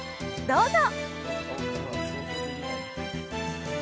どうぞ。